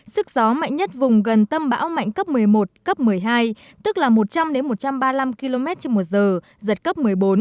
sức gió mạnh nhất vùng gần tâm bão mạnh cấp một mươi một cấp một mươi hai tức là một trăm linh một trăm ba mươi năm km trên một giờ giật cấp một mươi bốn